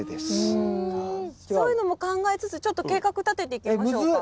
そういうのも考えつつちょっと計画たてていきましょうか。